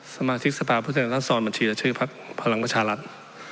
สมัครนิสปาผู้ใส่ตังฐานท่านสอนบัญชีละชื่อพลังประชานัตฐ์